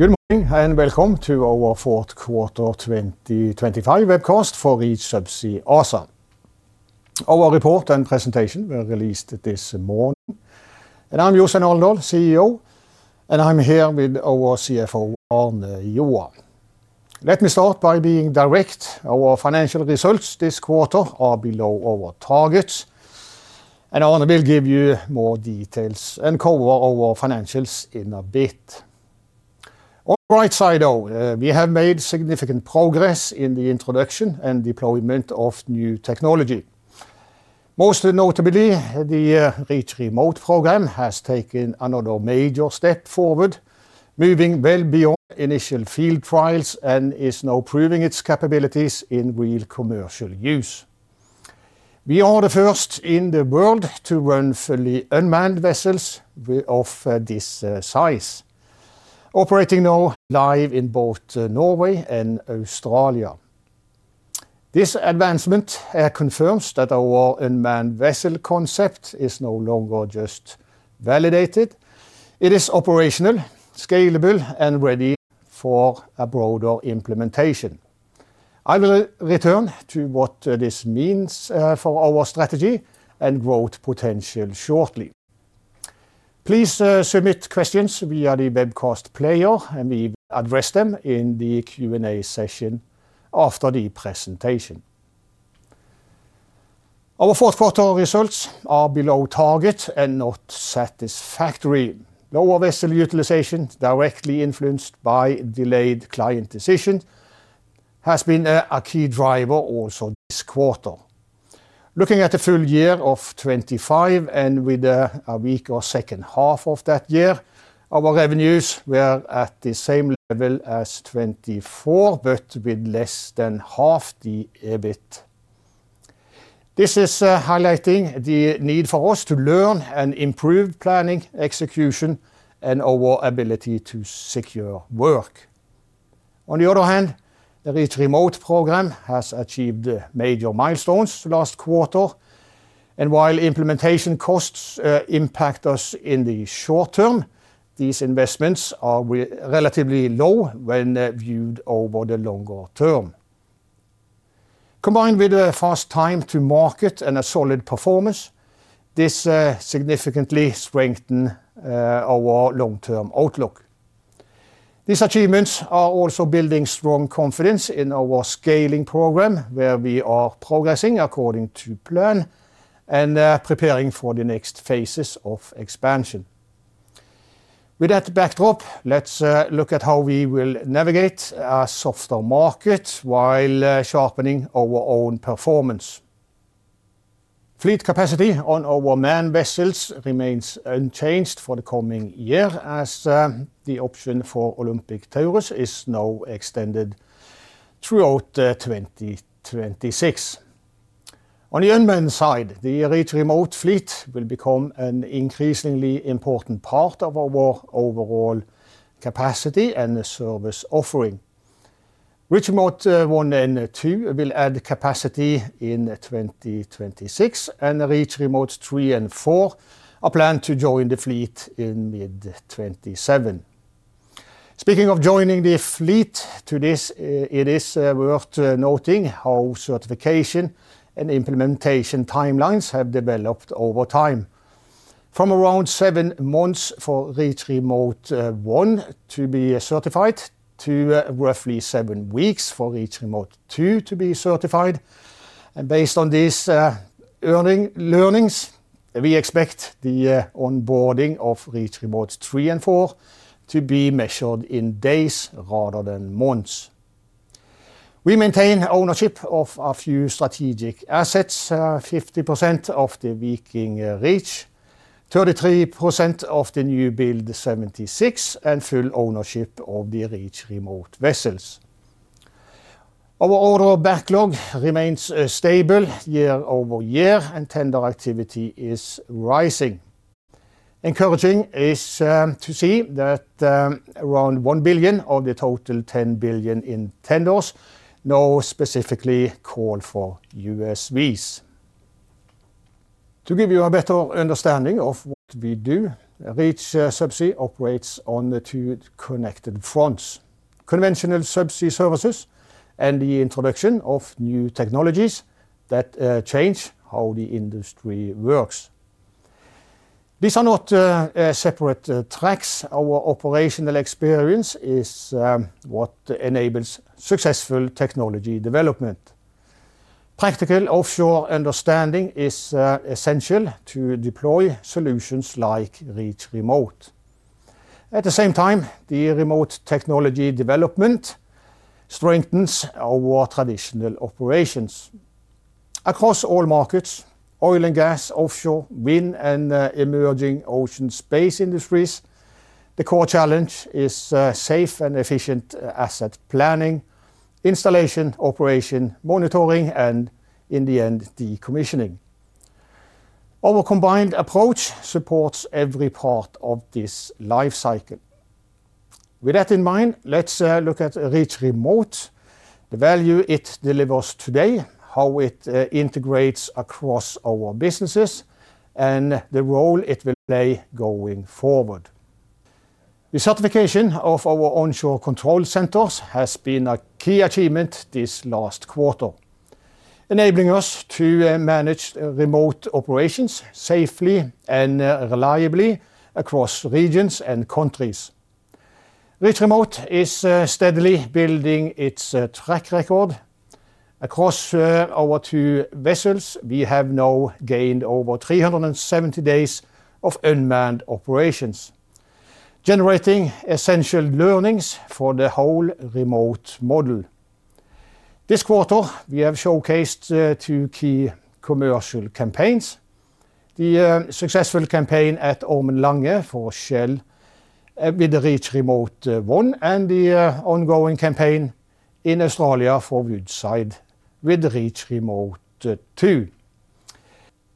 Good morning, and welcome to our fourth quarter 2025 webcast for Reach Subsea ASA. Our report and presentation were released this morning, and I'm Jostein Alendal, CEO, and I'm here with our CFO, Birgitte Wendelbo Johansen. Let me start by being direct. Our financial results this quarter are below our targets, and Birgitte will give you more details and cover our financials in a bit. On the bright side, though, we have made significant progress in the introduction and deployment of new technology. Most notably, the Reach Remote program has taken another major step forward, moving well beyond initial field trials and is now proving its capabilities in real commercial use. We are the first in the world to run fully unmanned vessels of this size, operating now live in both Norway and Australia. This advancement confirms that our unmanned vessel concept is no longer just validated, it is operational, scalable, and ready for a broader implementation. I will return to what this means for our strategy and growth potential shortly. Please submit questions via the webcast player, and we will address them in the Q&A session after the presentation. Our fourth quarter results are below target and not satisfactory. Lower vessel utilization, directly influenced by delayed client decision, has been a key driver also this quarter. Looking at the full year of 2025, and with a weaker second half of that year, our revenues were at the same level as 2024, but with less than half the EBIT. This is highlighting the need for us to learn and improve planning, execution, and our ability to secure work. On the other hand, the Reach Remote program has achieved major milestones last quarter, and while implementation costs impact us in the short term, these investments are relatively low when viewed over the longer term. Combined with a fast time to market and a solid performance, this significantly strengthen our long-term outlook. These achievements are also building strong confidence in our scaling program, where we are progressing according to plan and preparing for the next phases of expansion. With that backdrop, let's look at how we will navigate a softer market while sharpening our own performance. Fleet capacity on our manned vessels remains unchanged for the coming year, as the option for Olympic Taurus is now extended throughout 2026. On the unmanned side, the Reach Remote fleet will become an increasingly important part of our overall capacity and the service offering. Reach Remote one and two will add capacity in 2026, and Reach Remote 3 and 4 are planned to join the fleet in mid-2027. Speaking of joining the fleet, it is worth noting how certification and implementation timelines have developed over time. From around 7 months for Reach Remote one to be certified, to roughly seven weeks for Reach Remote two to be certified, and based on these learnings, we expect the onboarding of Reach Remote three and four to be measured in days rather than months. We maintain ownership of a few strategic assets, 50% of the Viking Reach, 33% of the Newbuild 76, and full ownership of the Reach Remote vessels. Our order backlog remains stable year-over-year, and tender activity is rising. Encouraging is to see that around 1 billion of the total 10 billion in tenders now specifically call for USVs. To give you a better understanding of what we do, Reach Subsea operates on the two connected fronts: conventional subsea services and the introduction of new technologies that change how the industry works. These are not separate tracks. Our operational experience is what enables successful technology development. Practical offshore understanding is essential to deploy solutions like Reach Remote. At the same time, the remote technology development strengthens our traditional operations. Across all markets, oil and gas, offshore, wind, and emerging ocean space industries, the core challenge is safe and efficient asset planning, installation, operation, monitoring, and in the end, decommissioning. Our combined approach supports every part of this life cycle. With that in mind, let's look at Reach Remote. The value it delivers today, how it integrates across our businesses, and the role it will play going forward. The certification of our onshore control centers has been a key achievement this last quarter, enabling us to manage remote operations safely and reliably across regions and countries. Reach Remote is steadily building its track record. Across our two vessels, we have now gained over 370 days of unmanned operations, generating essential learnings for the whole remote model. This quarter, we have showcased two key commercial campaigns: the successful campaign at Ormen Lange for Shell with the Reach Remote 1, and the ongoing campaign in Australia for Woodside with Reach Remote 2.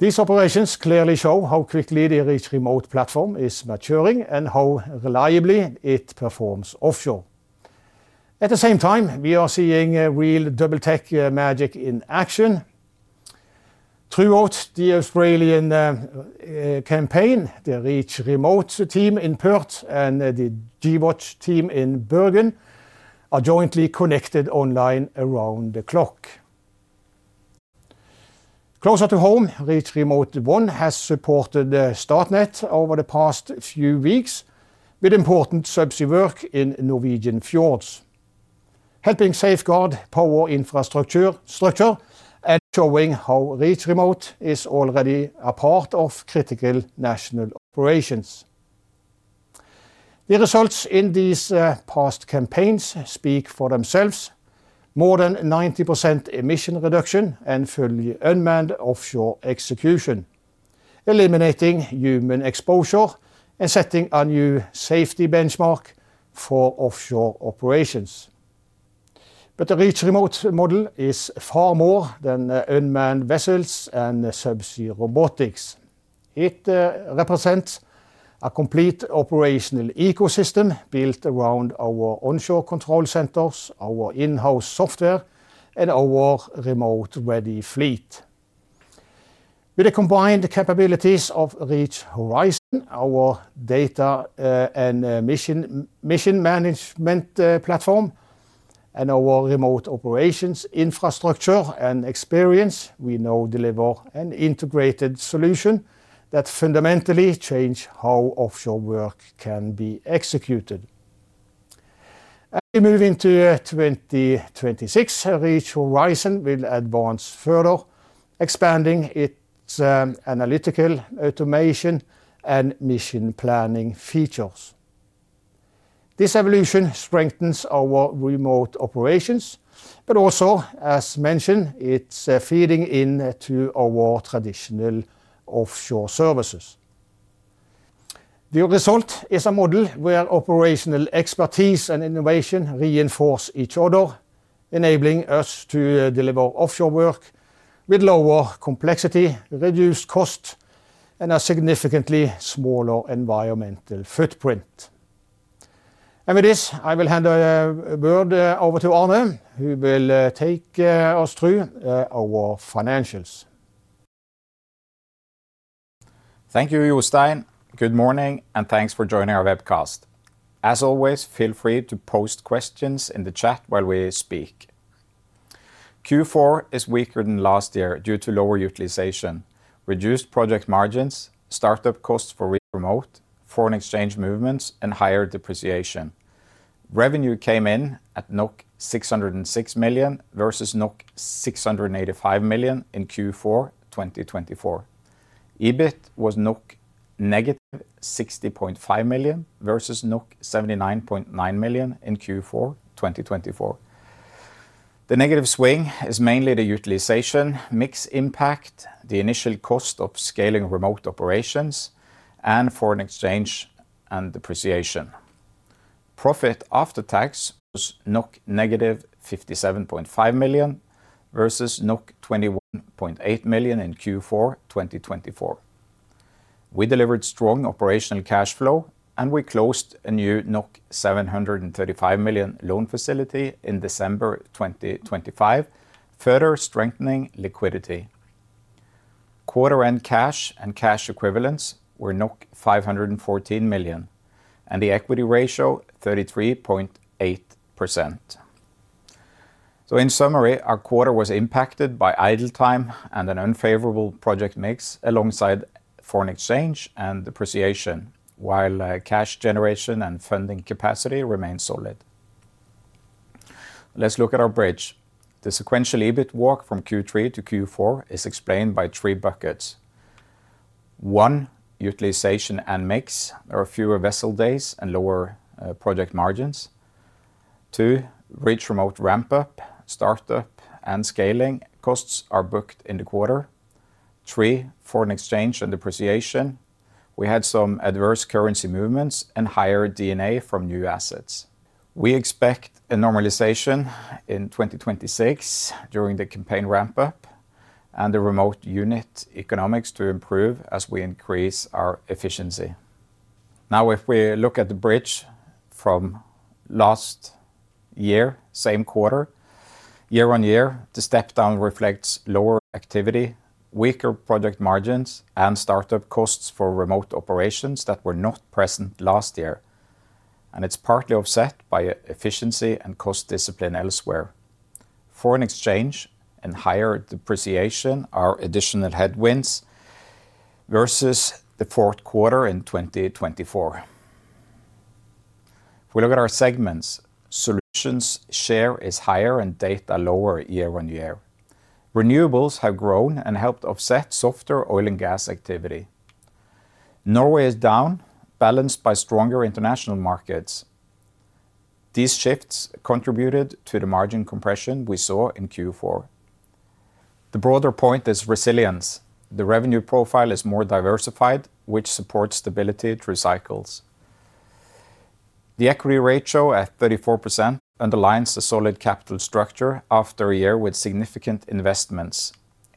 These operations clearly show how quickly the Reach Remote platform is maturing and how reliably it performs offshore. At the same time, we are seeing a real double tech magic in action. Throughout the Australian campaign, the Reach Remote team in Perth and the gWatch team in Bergen are jointly connected online around the clock. Closer to home, Reach Remote 1 has supported Statnett over the past few weeks with important subsea work in Norwegian fjords, helping safeguard power infrastructure and showing how Reach Remote is already a part of critical national operations. The results in these past campaigns speak for themselves. More than 90% emission reduction and fully unmanned offshore execution, eliminating human exposure and setting a new safety benchmark for offshore operations. But the Reach Remote model is far more than unmanned vessels and subsea robotics. It represents a complete operational ecosystem built around our onshore control centers, our in-house software, and our remote-ready fleet. With the combined capabilities of Reach Horizon, our data and mission management platform, and our remote operations infrastructure and experience, we now deliver an integrated solution that fundamentally change how offshore work can be executed. As we move into 2026, Reach Horizon will advance further, expanding its analytical automation and mission planning features. This evolution strengthens our remote operations, but also, as mentioned, it's feeding into our traditional offshore services. The result is a model where operational expertise and innovation reinforce each other, enabling us to deliver offshore work with lower complexity, reduced cost, and a significantly smaller environmental footprint. And with this, I will hand word over to Birgitte, who will take us through our financials. Thank you, Jostein. Good morning, and thanks for joining our webcast. As always, feel free to post questions in the chat while we speak. Q4 is weaker than last year due to lower utilization, reduced project margins, startup costs for Reach Remote, foreign exchange movements, and higher depreciation. Revenue came in at 606 million versus 685 million in Q4 2024. EBIT was -60.5 million versus 79.9 million in Q4 2024. The negative swing is mainly the utilization, mix impact, the initial cost of scaling remote operations, and foreign exchange and depreciation. Profit after tax was -57.5 million versus 21.8 million in Q4 2024. We delivered strong operational cash flow, and we closed a new 735 million loan facility in December 2025, further strengthening liquidity. Quarter-end cash and cash equivalents were 514 million, and the equity ratio, 33.8%. So in summary, our quarter was impacted by idle time and an unfavorable project mix, alongside foreign exchange and depreciation, while cash generation and funding capacity remained solid. Let's look at our bridge. The sequential EBIT walk from Q3 to Q4 is explained by three buckets. One, utilization and mix. There are fewer vessel days and lower project margins. Two, Reach Remote ramp-up, startup, and scaling costs are booked in the quarter. Three, foreign exchange and depreciation. We had some adverse currency movements and higher D&A from new assets. We expect a normalization in 2026 during the campaign ramp-up and the remote unit economics to improve as we increase our efficiency.... Now, if we look at the bridge from last year, same quarter, year-on-year, the step down reflects lower activity, weaker project margins, and startup costs for remote operations that were not present last year. It's partly offset by efficiency and cost discipline elsewhere. Foreign exchange and higher depreciation are additional headwinds versus the fourth quarter in 2024. If we look at our segments, solutions share is higher and data lower year-on-year. Renewables have grown and helped offset softer oil and gas activity. Norway is down, balanced by stronger international markets. These shifts contributed to the margin compression we saw in Q4. The broader point is resilience. The revenue profile is more diversified, which supports stability through cycles. The equity ratio at 34% underlines the solid capital structure after a year with significant investments.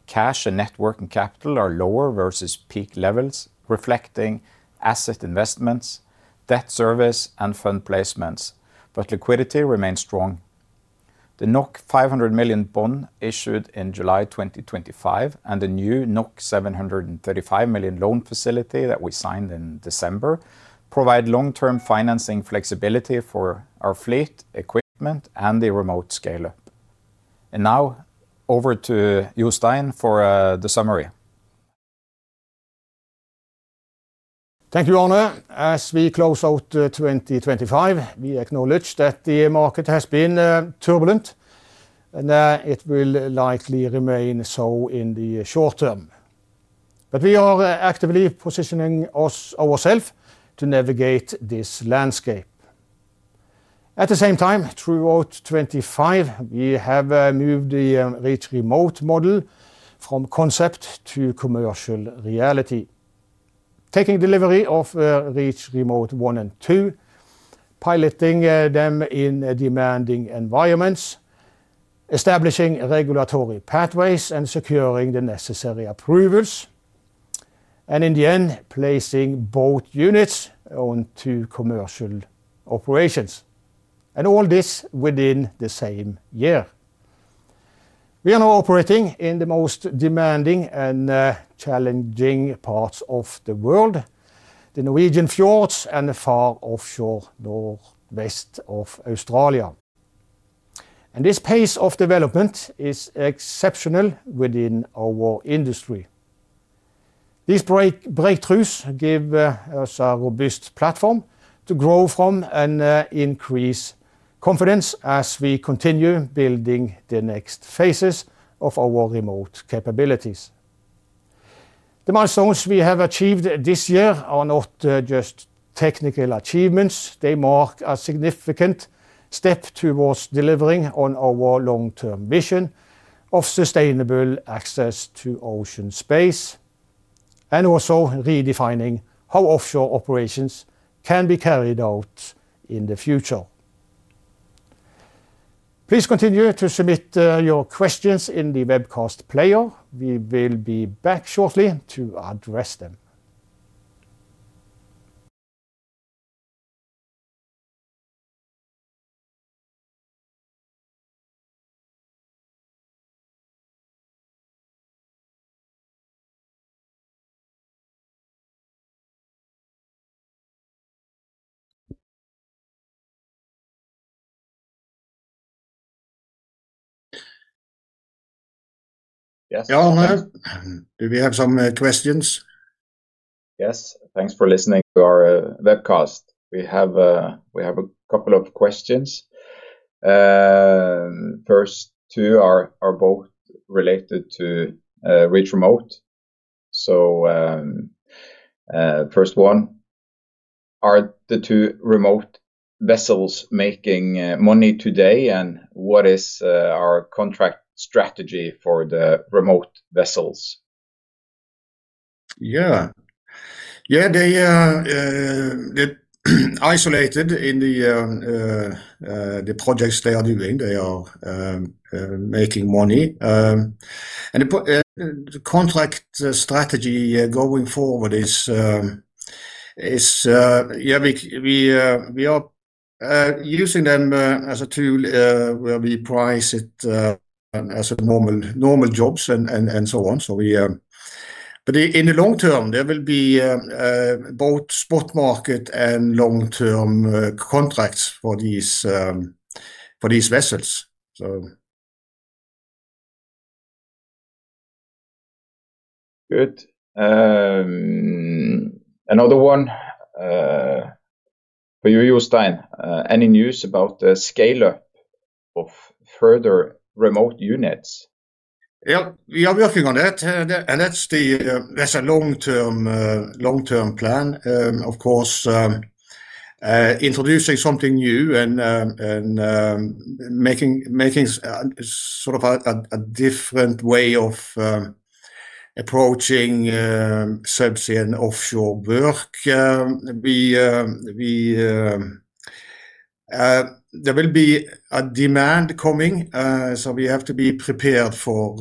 Cash and net working capital are lower versus peak levels, reflecting asset investments, debt service, and fund placements, but liquidity remains strong. The 500 million bond issued in July 2025, and the new 735 million loan facility that we signed in December, provide long-term financing flexibility for our fleet, equipment, and the remote scale-up. Now over to Jostein for the summary. Thank you, Birgitte. As we close out 2025, we acknowledge that the market has been turbulent, and it will likely remain so in the short term. But we are actively positioning ourselves to navigate this landscape. At the same time, throughout 2025, we have moved the Reach Remote model from concept to commercial reality. Taking delivery of Reach Remote one and two, piloting them in demanding environments, establishing regulatory pathways, and securing the necessary approvals, and in the end, placing both units onto commercial operations, and all this within the same year. We are now operating in the most demanding and challenging parts of the world, the Norwegian fjords and the far offshore northwest of Australia. And this pace of development is exceptional within our industry. These breakthroughs give us a robust platform to grow from and increase confidence as we continue building the next phases of our remote capabilities. The milestones we have achieved this year are not just technical achievements. They mark a significant step towards delivering on our long-term vision of sustainable access to ocean space, and also redefining how offshore operations can be carried out in the future. Please continue to submit your questions in the webcast player. We will be back shortly to address them. Yes, Arne? Do we have some questions? Yes, thanks for listening to our webcast. We have a couple of questions. First two are both related to Reach Remote. So, first one, are the two remote vessels making money today? And what is our contract strategy for the remote vessels? Yeah. Yeah, they are they isolated in the the projects they are doing. They are making money, and the contract strategy going forward is... Yeah, we we are using them as a tool where we price it as a normal normal jobs and and and so on. So we... But in the long term, there will be both spot market and long-term contracts for these for these vessels, so. Good. Another one, for you, Jostein, any news about the scale-up of further remote units? Yeah, we are working on that, and that's a long-term plan. Of course, introducing something new and making sort of a different way of approaching subsea and offshore work, we... there will be a demand coming, so we have to be prepared for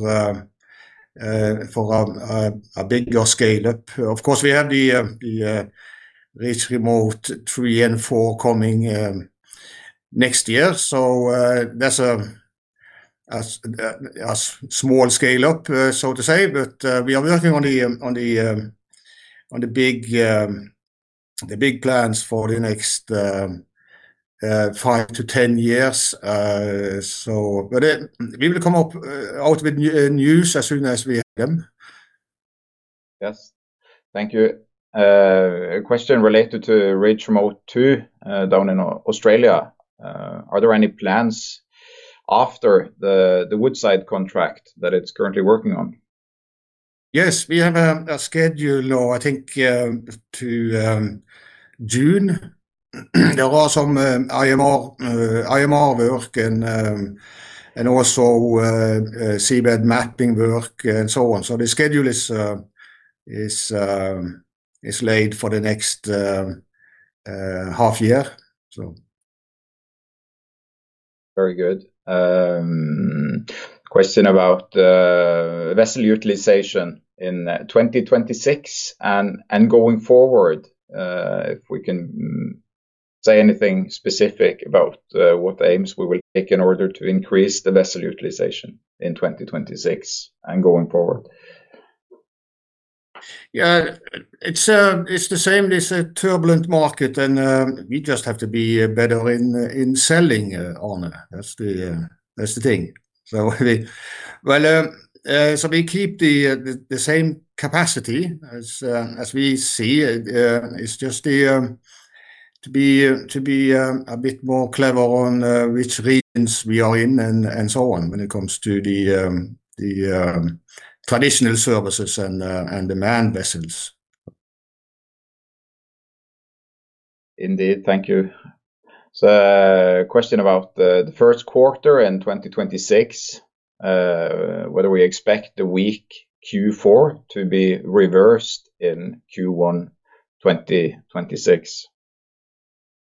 a bigger scale-up. Of course, we have the Reach Remote three and four coming next year. So, that's a small scale-up, so to say. But we are working on the big plans for the next five to 10 years. But we will come out with news as soon as we have them. Yes. Thank you. A question related to Reach Remote two, down in Australia. Are there any plans after the Woodside contract that it's currently working on? Yes, we have a schedule, or I think to June. There are some IMR work and also seabed mapping work and so on. So the schedule is laid for the next half year, so. Very good. Question about vessel utilization in 2026 and going forward. If we can say anything specific about what aims we will take in order to increase the vessel utilization in 2026 and going forward? Yeah, it's, it's the same. It's a turbulent market, and, we just have to be better in, in selling, on it. That's the, that's the thing. So well, so we keep the, the same capacity as, as we see it. It's just the, to be, to be, a bit more clever on, which regions we are in and, and so on, when it comes to the, the, traditional services and, and the manned vessels. Indeed. Thank you. So a question about the, the first quarter in 2026. Whether we expect the weak Q4 to be reversed in Q1 2026?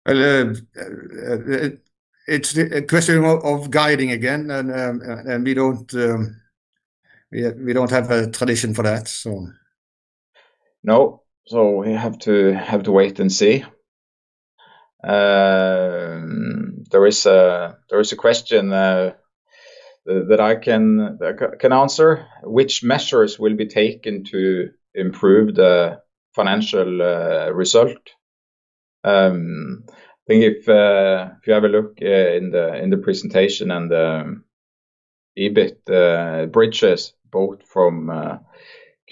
Well, it's a question of guiding again, and we don't have a tradition for that, so. No. So we have to wait and see. There is a question that I can answer. Which measures will be taken to improve the financial result? I think if you have a look in the presentation and the EBIT bridges, both from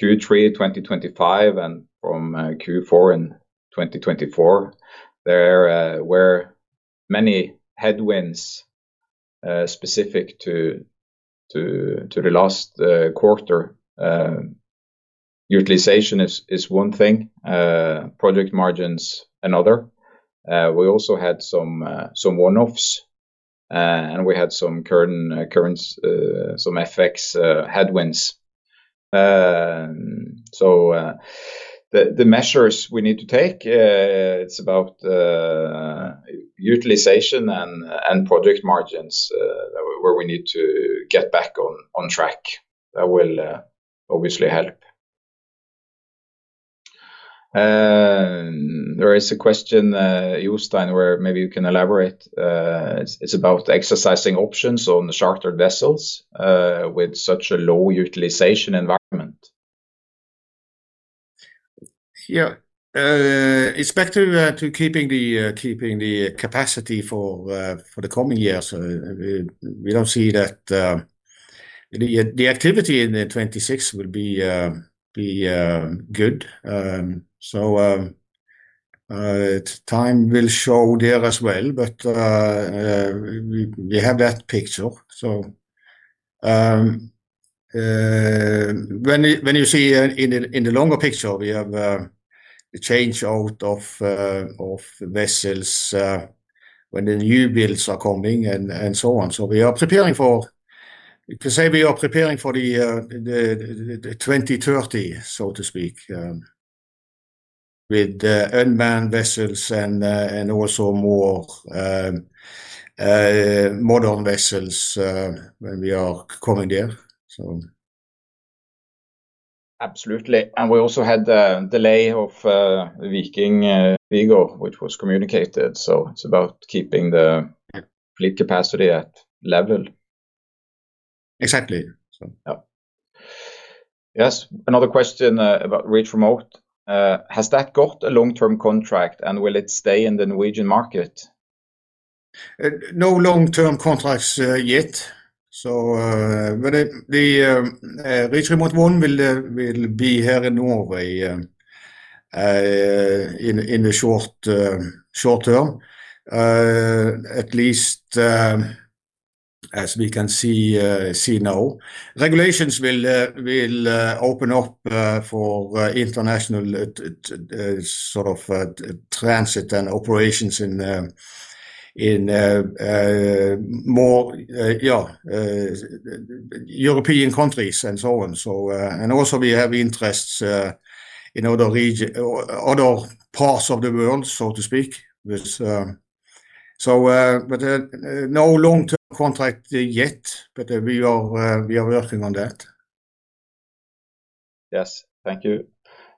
Q3 2025 and from Q4 in 2024, there were many headwinds specific to the last quarter. Utilization is one thing, project margins another. We also had some one-offs, and we had some currency headwinds, some FX headwinds. So, the measures we need to take, it's about utilization and project margins, where we need to get back on track. That will, obviously help. There is a question, Jostein, where maybe you can elaborate. It's about exercising options on the chartered vessels, with such a low utilization environment. Yeah. It's back to keeping the capacity for the coming years. We don't see that the activity in 2026 will be good. So, time will show there as well, but we have that picture. So, when you see in the longer picture, we have the change out of vessels when the new builds are coming and so on. So we are preparing for... You can say we are preparing for the 2030, so to speak, with unmanned vessels and also more modern vessels when we are coming there, so. Absolutely. And we also had the delay of Viking Vigor, which was communicated, so it's about keeping the- Yeah... fleet capacity at level. Exactly, so. Yep. Yes, another question about Reach Remote. Has that got a long-term contract, and will it stay in the Norwegian market? No long-term contracts yet, so but the Reach Remote one will be here in Norway in the short term. At least, as we can see now, regulations will open up for international sort of transit and operations in more yeah European countries and so on. So, and also we have interests in other parts of the world, so to speak, which. So, but no long-term contract yet, but we are working on that. Yes, thank you.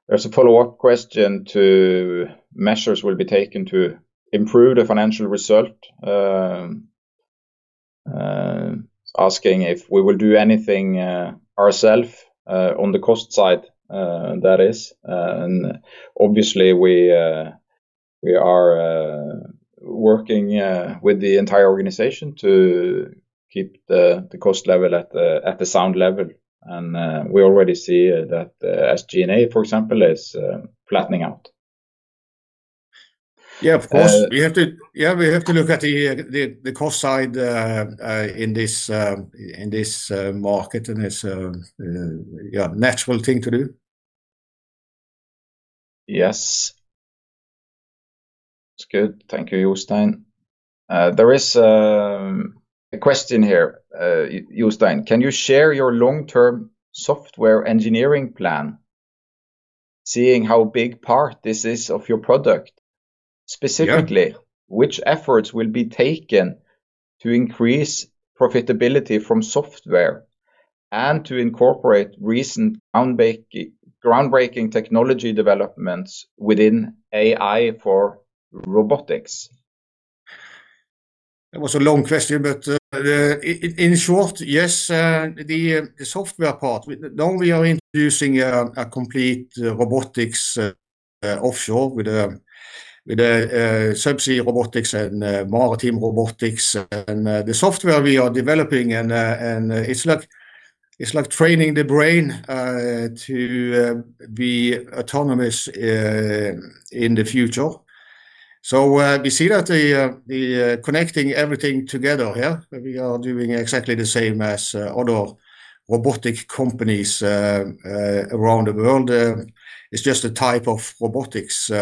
There's a follow-up question to measures will be taken to improve the financial result. Asking if we will do anything ourselves on the cost side, that is. And obviously, we are working with the entire organization to keep the cost level at the sound level. And we already see that SG&A, for example, is flattening out. Yeah, of course. Uh- We have to. Yeah, we have to look at the cost side in this market, and it's yeah, natural thing to do. Yes. That's good. Thank you, Jostein. There is a question here, Jostein: "Can you share your long-term software engineering plan, seeing how big part this is of your product? Yeah. Specifically, which efforts will be taken to increase profitability from software, and to incorporate recent groundbreaking, groundbreaking technology developments within AI for robotics? That was a long question, but in short, yes, the software part, now we are introducing a complete robotics offshore with subsea robotics and maritime robotics, and the software we are developing and it's like, it's like training the brain to be autonomous in the future. So, we see that the connecting everything together here, we are doing exactly the same as other robotic companies around the world. It's just a type of robotics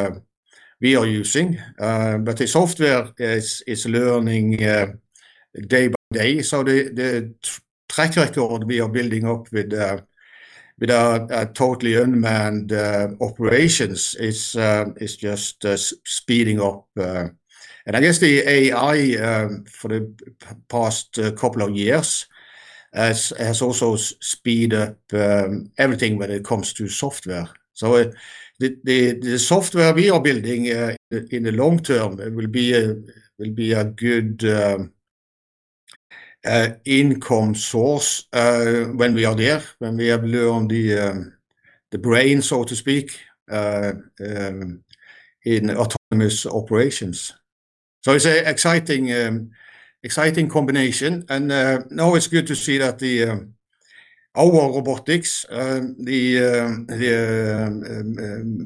we are using. But the software is learning day by day. So the track record we are building up with our totally unmanned operations is just speeding up. And I guess the AI for the past couple of years has also sped up everything when it comes to software. So the software we are building in the long term it will be a good income source when we are there when we have learned the brain so to speak in autonomous operations. So it's a exciting exciting combination, and now it's good to see that our robotics the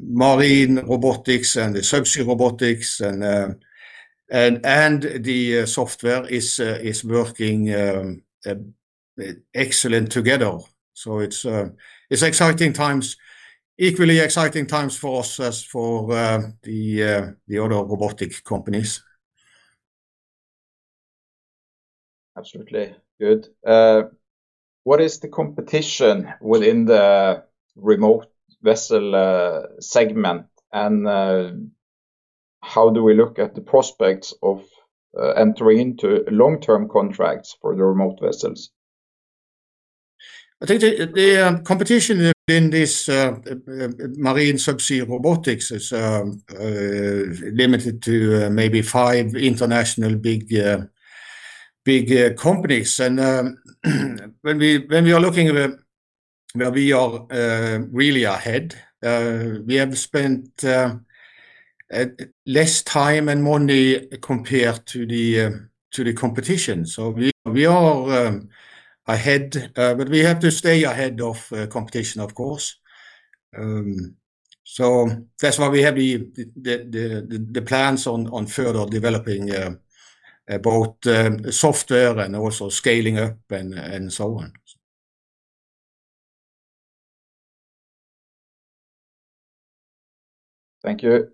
marine robotics and the subsea robotics and the software is working excellent together. So it's exciting times, equally exciting times for us as for the other robotic companies. Absolutely. Good. What is the competition within the remote vessel segment? And how do we look at the prospects of entering into long-term contracts for the remote vessels? I think the competition in this marine subsea robotics is limited to maybe five international big companies. When we are looking at where we are really ahead, we have spent less time and money compared to the competition. So we are ahead, but we have to stay ahead of competition, of course. That's why we have the plans on further developing both software and also scaling up and so on. Thank you.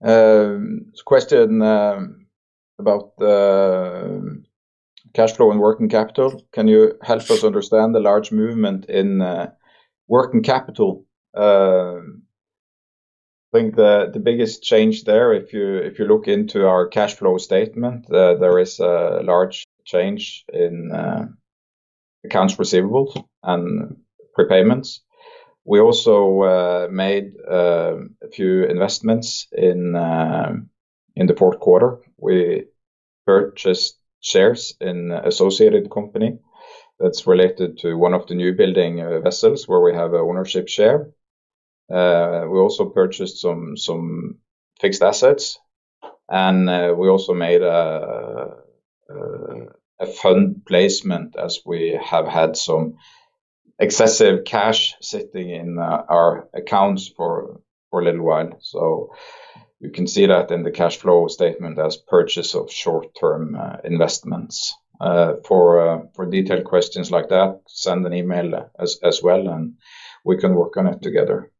There's a question about the cash flow and working capital. "Can you help us understand the large movement in working capital?" I think the biggest change there, if you look into our cash flow statement, there is a large change in accounts receivables and prepayments. We also made a few investments in the fourth quarter. We purchased shares in associated company that's related to one of the new building vessels, where we have an ownership share. We also purchased some fixed assets, and we also made a fund placement, as we have had some excessive cash sitting in our accounts for a little while. So you can see that in the cash flow statement as purchase of short-term investments. For detailed questions like that, send an email as well, and we can work on it together.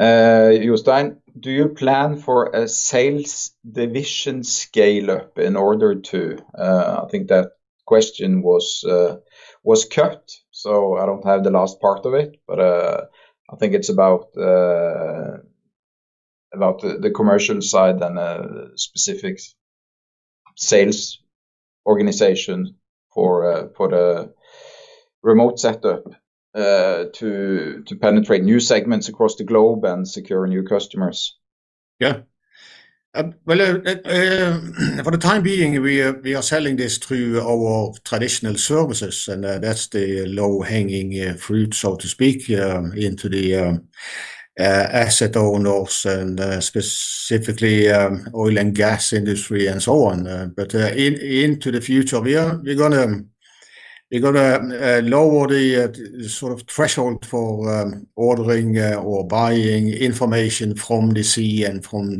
Jostein, do you plan for a sales division scale-up in order to... I think that question was cut, so I don't have the last part of it, but I think it's about the commercial side and specific sales organization for the remote setup to penetrate new segments across the globe and secure new customers. Yeah. Well, for the time being, we are selling this through our traditional services, and that's the low-hanging fruit, so to speak, into the asset owners and specifically, oil and gas industry and so on. But into the future, we're gonna lower the sort of threshold for ordering or buying information from the sea and from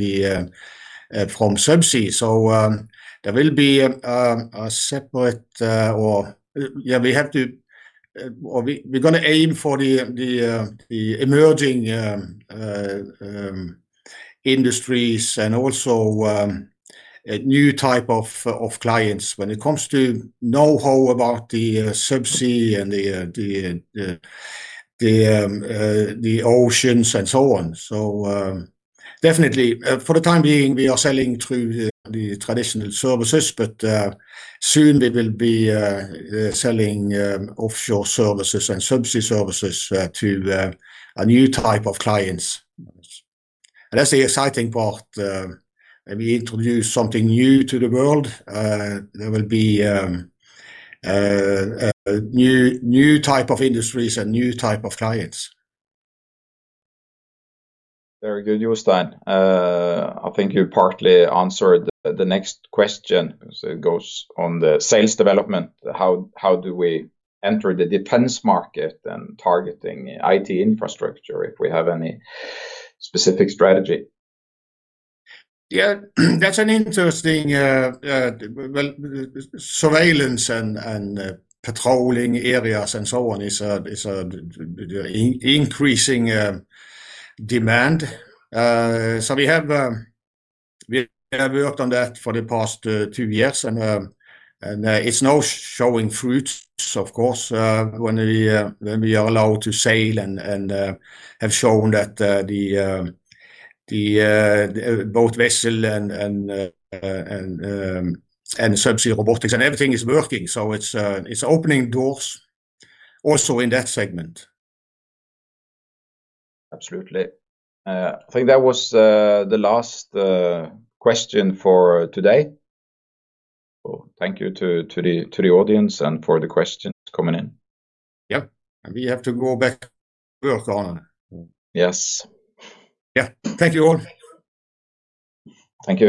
subsea. So, there will be a separate. Or we're gonna aim for the emerging industries and also a new type of clients when it comes to know-how about the subsea and the oceans and so on. So, definitely, for the time being, we are selling through the traditional services, but soon we will be selling offshore services and subsea services to a new type of clients. And that's the exciting part. When we introduce something new to the world, there will be a new, new type of industries and new type of clients. Very good, Jostein. I think you partly answered the next question, so it goes on the sales development. How do we enter the defense market and targeting IT infrastructure, if we have any specific strategy? Yeah, that's an interesting, well, surveillance and patrolling areas and so on is a increasing demand. So we have worked on that for the past two years, and it's now showing fruits, of course, when we are allowed to sail and have shown that the both vessel and subsea robotics and everything is working. So it's opening doors also in that segment. Absolutely. I think that was the last question for today. So thank you to the audience, and for the questions coming in. Yep, and we have to go back to work on. Yes. Yeah. Thank you, all. Thank you.